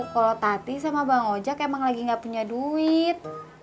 kalau tati sama bang ojek emang lagi gak punya duit